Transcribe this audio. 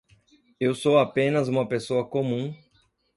Eu sou apenas uma pessoa comum